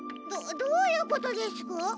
どどういうことですか？